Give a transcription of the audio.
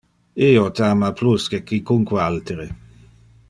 Io te ama plus que quicunque altere.